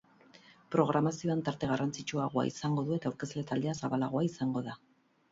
Programazioan tarte garrantzitsuagoa izango du eta aurkezle taldea zabalagoa izango da.